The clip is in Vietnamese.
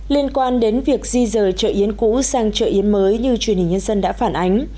liên quan đến việc di rời chợ yến cũ sang chợ yến mới như truyền hình nhân dân đã phản ánh